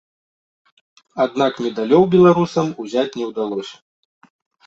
Аднак медалёў беларускам узяць не ўдалося.